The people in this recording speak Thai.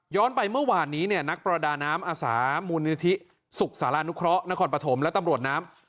ไปเมื่อวานนี้เนี่ยนักประดาน้ำอาสามูลนิธิสุขศาลานุเคราะหนครปฐมและตำรวจน้ำ